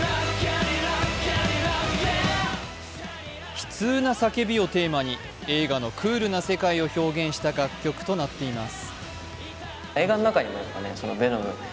「悲痛な叫び」をテーマに映画のクールな世界を表現した楽曲となっています。